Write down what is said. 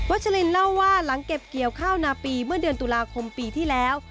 ชลินเล่าว่าหลังเก็บเกี่ยวข้าวนาปีเมื่อเดือนตุลาคมปีที่แล้ว